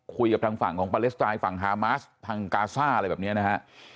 คุยกับทางฝั่งของปาเลสไตน์ฝั่งฮามาสทางกาซ่าอะไรแบบนี้นะฮะ